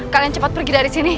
kalian cepat pergi dari sini